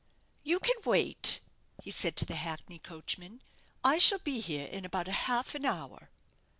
"You can wait," he said to the hackney coachman; "I shall be here in about half an hour."